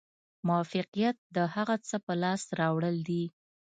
موفقیت د هغه څه په لاس راوړل دي.